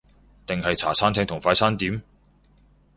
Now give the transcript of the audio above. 定係茶餐廳同快餐店？